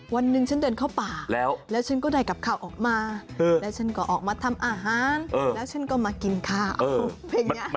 วันหนึ่งฉันเดินเข้าป่าแล้วฉันก็ได้กับข้าวออกมาแล้วฉันก็ออกมาทำอาหารแล้วฉันก็มากินข้าวเพลงนี้